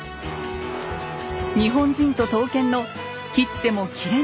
日本人と刀剣の「斬っても斬れない」